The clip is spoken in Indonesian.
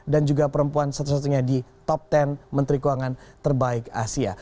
dan juga perempuan satu satunya di top ten menteri keuangan terbaik asia